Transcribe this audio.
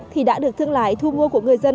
thì đã được thương lái thu mua của người dân